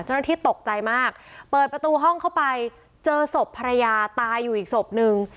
เจ้าหน้าที่ตกใจมากเปิดประตูห้องเข้าไปเจอศพภรรยาตายอยู่อีกศพนึง